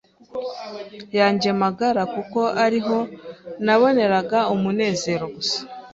yanjye magara kuko ari ho naboneraga umunezero gusa